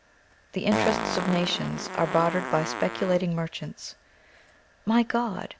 The interests of nations are bartered by speculating merchants. My God!